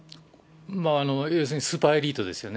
まあ、要するにスーパーエリートですよね。